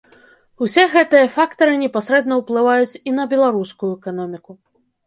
Усе гэтыя фактары непасрэдна ўплываюць і на беларускую эканоміку.